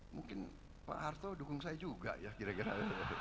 mungkin pak harto dukung saya juga ya kira kira